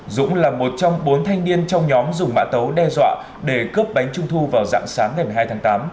dũng là một trong bốn thanh niên trong nhóm dùng mã tấu đe dọa để cướp bánh trung thu vào dạng sáng ngày một mươi hai tháng tám